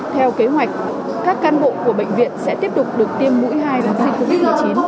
theo kế hoạch các cán bộ của bệnh viện sẽ tiếp tục được tiêm mũi hai dịch covid một mươi chín